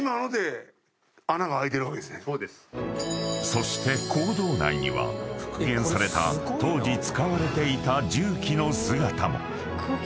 ［そして坑道内には復元された当時使われていた重機の姿も］